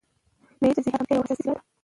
مېلې د ذهني ارامتیا یوه اساسي وسیله ده.